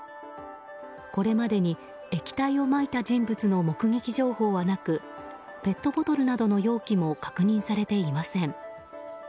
これまでに液体をまいた人物の目撃情報はなくペットボトルなどの容器も確認されていません。